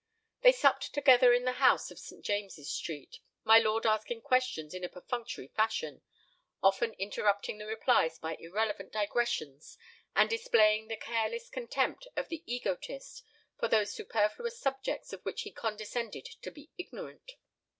They supped together in the house of St. James's Street, my lord asking questions in a perfunctory fashion, often interrupting the replies by irrelevant digressions and displaying the careless contempt of the egotist for those superfluous subjects of which he condescended to be ignorant.